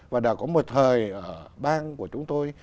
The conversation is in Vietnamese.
và đã có một thời ở bang của chúng tôi